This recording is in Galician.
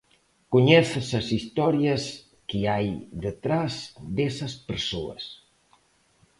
Coñeces as historias que hai detrás desas persoas.